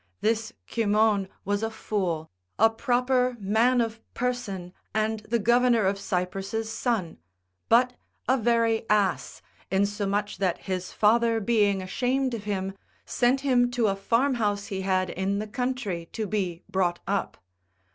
This Cymon was a fool, a proper man of person, and the governor of Cyprus' son. but a very ass, insomuch that his father being ashamed of him, sent him to a farmhouse he had in the country, to be brought up.